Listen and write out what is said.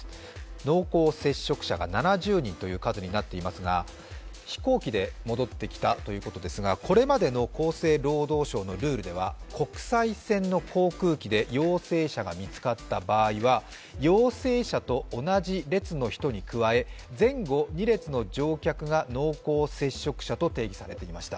濃厚接触者が７０人という数になっていますが飛行機で戻ってきたということですが、これまでの厚生労働省のルールでは国際線の航空機で陽性者が見つかった場合は陽性者と同じ列の人に加え前後２列の乗客が濃厚接触者と定義されていました。